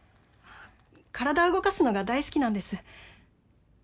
体動かすのが大好きなんです。